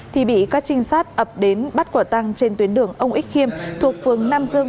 thì bị các trinh sát ập đến bắt quả tăng trên tuyến đường ông ích khiêm thuộc phường nam dương